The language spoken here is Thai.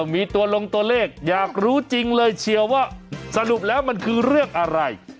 มีตัวลงตัวเลขอยากรู้จริงเลยเชียวว่าสรุปแล้วมันคือเรื่องอะไร